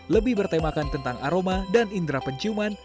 lebih bertemakan tentang aroma dan indera penciuman